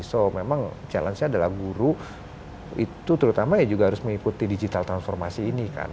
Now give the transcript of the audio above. so memang challenge nya adalah guru itu terutama ya juga harus mengikuti digital transformasi ini kan